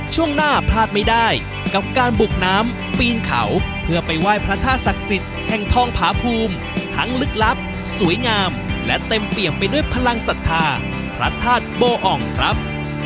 ช่วงหน้าพลาดไม่ได้กับการบุกน้ำปีนเขาเพื่อไปไหว้พระธาตุศักดิ์สิทธิ์แห่งทองผาภูมิทั้งลึกลับสวยงามและเต็มเปี่ยมไปด้วยพลังศรัทธาพระธาตุโบอ่องครับ